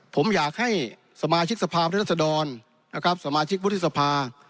ผมอยากให้สมาชิกสภาพรรษฎรนะครับสมาชิกพุทธศพา